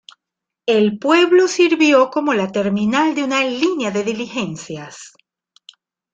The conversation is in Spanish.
El pueblo sirvió como la terminal de una línea de diligencias.